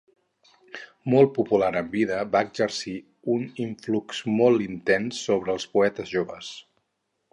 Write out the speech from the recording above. Molt popular en vida, va exercir un influx molt intens sobre els poetes joves.